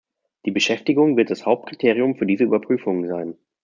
Die Beschäftigung wird das Hauptkriterium für diese Überprüfungen sein.